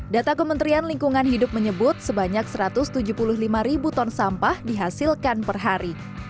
data kementerian lingkungan hidup menyebut sebanyak satu ratus tujuh puluh lima ribu ton sampah dihasilkan per hari